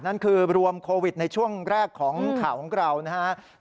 นั่นคือรวมโควิดในช่วงแรกของข่าวของเรานะครับ